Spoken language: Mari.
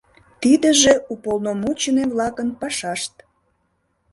Тидыже уполномоченный-влакын пашашт.